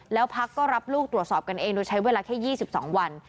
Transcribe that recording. แล้วพักก็รับลูกตรวจสอบกันเองโดยใช้เวลาแค่๒๒วัน